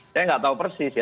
saya nggak tahu persis ya